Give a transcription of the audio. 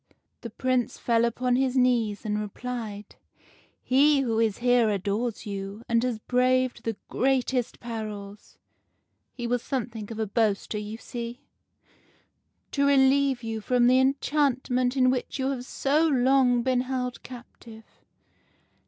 " The Prince fell upon his knees, and replied :— '"He who is here adores you, and has braved the greatest perils ' (he was something of a boaster, you see) ' to relieve you from the enchantment in which you have so long been held captive.